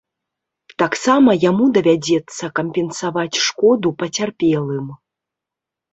Таксама яму давядзецца кампенсаваць шкоду пацярпелым.